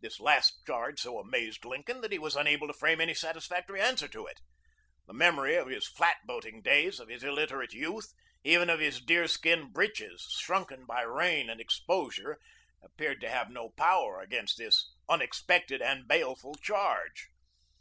This last charge so amazed Lincoln that he was unable to frame any satisfactory answer to it. The memory of his flat boating days, of his illiterate youth, even of his deer skin breeches shrunken by rain and exposure, appeared to have no power against this unexpected and baleful charge.